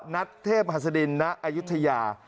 นัทเทพหัสฑรินนอัยัตรียา